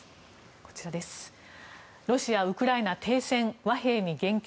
ロシア、ウクライナ停戦、和平に言及。